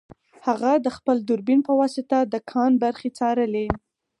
هغه د خپل دوربین په واسطه د کان برخې څارلې